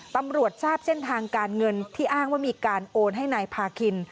ตำรวจทราบเส้นทางการเงินที่อ้างว่ามีการโอนให้นายพาคิน